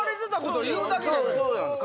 そうなんです